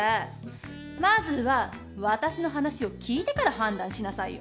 まずは私の話を聞いてから判断しなさいよ！